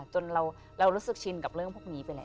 จนเรารู้สึกชินกับเรื่องพวกนี้ไปแล้ว